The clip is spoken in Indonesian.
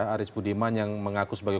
aris budiman yang mengaku sebagai